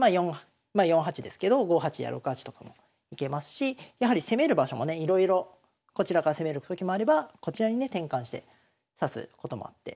まあ４八ですけど５八や６八とかも行けますしやはり攻める場所もねいろいろこちらから攻めるときもあればこちらにね転換して指すこともあって。